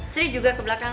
sri juga ke belakang